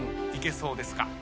いけそうですか？